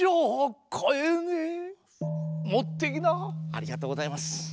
ありがとうございます。